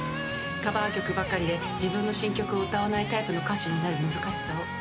カバー曲ばかりで自分の新曲を歌わないタイプの歌手になる難しさを。